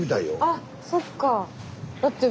あそっか。